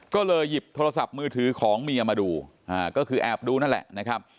ก็เลยหยิบโทรศัพท์มือถือของเมียมาดูก็คือแอบดูนั่นแหละนะครับ